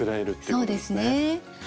そうですね。ね。